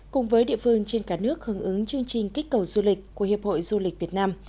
cùng với địa phương trên cả nước hướng ứng chương trình kích cầu du lịch của hiệp hội du lịch việt nam